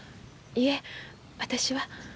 いえ私は。